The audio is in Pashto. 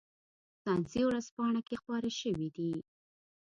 ساینسي ورځپاڼه کې خپاره شوي دي.